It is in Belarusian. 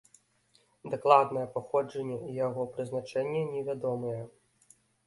Дакладнае паходжанне і яго прызначэнне невядомыя.